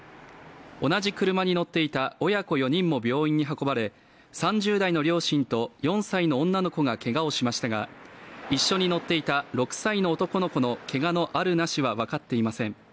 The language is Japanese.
同じ車に乗っていた親子４人も病院に運ばれ、３０代の両親と４歳の女の子がけがをしましたが、一緒に乗っていた６歳の男の子のけがのあるなしは分かっていません。